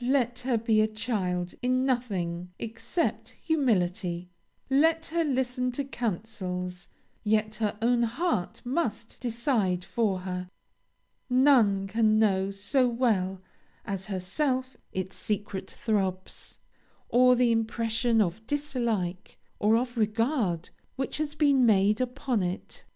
Let her be a child in nothing except humility; let her listen to counsels; yet her own heart must decide for her none can know so well as herself its secret throbs, or the impression of dislike or of regard which has been made upon it.